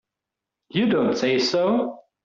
You don't say so!